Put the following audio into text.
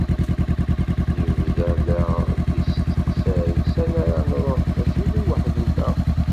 Ibda la aɣ-d-isteqsay sani ara nruḥ, acimi weḥd-nneɣ.